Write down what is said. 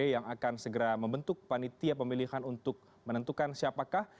yang akan segera membentuk panitia pemilihan untuk menentukan siapakah